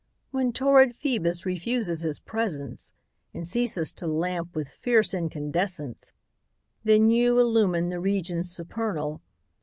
When torrid Phoebus refuses his presence And ceases to lamp with fierce incandescence^ Then you illumine the regions supernal.